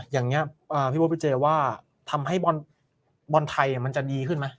อย่างนี้พี่โบ๊พี่เจว่าทำให้บอลไทยมันจะดีขึ้นไหม